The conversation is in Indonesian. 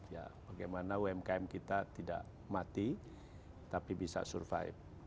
ya bagaimana umkm kita tidak mati tapi bisa survive